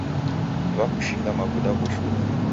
Wakushinga mavuda w'ushunyi